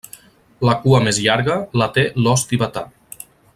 La cua més llarga la té l'ós tibetà.